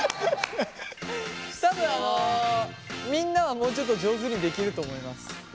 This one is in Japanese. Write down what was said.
多分あのみんなはもうちょっと上手にできると思います。